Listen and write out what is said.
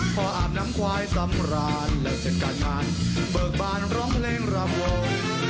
พออาบน้ำควายสำราญแล้วเสร็จก็ทานเบิกบานร้องเพลงรำวง